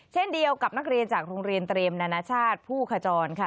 เช่นเดียวกับนักเรียนจากโรงเรียนเตรียมนานาชาติผู้ขจรค่ะ